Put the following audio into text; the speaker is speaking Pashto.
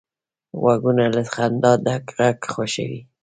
غوږونه له خندا ډک غږ خوښوي